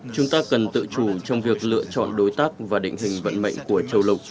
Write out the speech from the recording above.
chúng ta cần tự chủ trong việc lựa chọn đối tác và định hình vận mệnh của châu lục